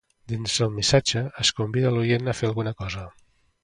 Dins el missatge es convida l'oient a fer alguna cosa.